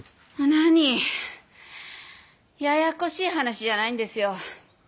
なにややこしい話じゃないんですよ。